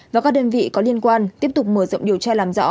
và các đơn vị có liên quan tiếp tục mở rộng điều tra làm rõ